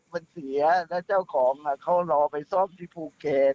มันเสียแล้วเจ้าของเขารอไปซ่อมที่ภูเก็ต